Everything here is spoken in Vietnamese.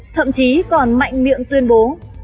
thậm chí còn mạnh miệng tuyên bố